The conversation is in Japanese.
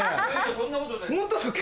そんなことないです。